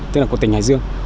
tức là của tỉnh hải dương